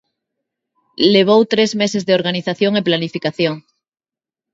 Levou tres meses de organización e planificación.